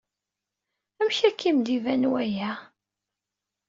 Amek akka i am-d-iban waya?